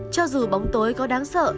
cho dù bóng tối có đáng sợ